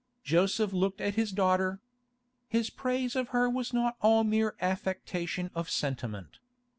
Joseph looked at his daughter. His praise of her was not all mere affectation of sentiment.